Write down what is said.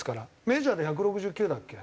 メジャーで１６９だっけ？